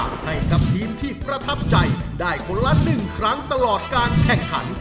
ให้กับทีมที่ประทับใจได้คนละ๑ครั้งตลอดการแข่งขัน